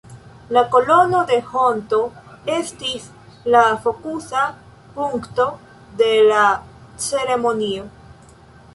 La Kolono de Honto estis la fokusa punkto de la ceremonio.